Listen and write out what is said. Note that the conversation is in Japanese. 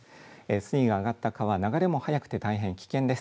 水位が上がった川、流れも速くて大変危険です。